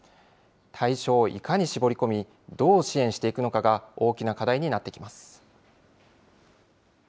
対象をいかに絞り込み、どう支援していくのかが大きな課題になってきます。